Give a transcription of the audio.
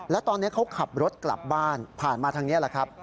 แล้วตอนนี้เขาขับรถกลับบ้านผ่านมาทางนี้แหละครับ